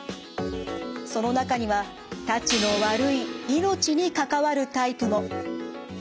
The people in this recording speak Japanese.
その中にはたちの悪い命に関わるタイプも。